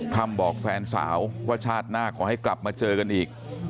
ทำบอกแฟนสาวว่าชาติหน้าขอให้กลับมาเจอกันอีก